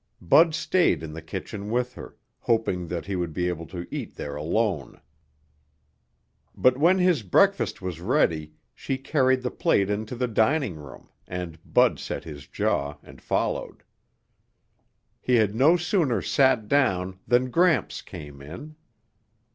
Bud stayed in the kitchen with her, hoping that he would be able to eat there alone. But when his breakfast was ready, she carried the plate into the dining room and Bud set his jaw and followed. He had no sooner sat down than Gramps came in.